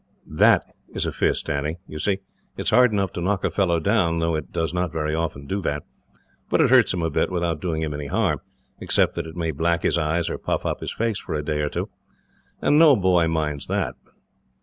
"That is a fist, Annie. You see, it is hard enough to knock a fellow down, though it does not very often do that; but it hurts him a bit, without doing him any harm, except that it may black his eyes or puff up his face for a day or two and no boy minds that.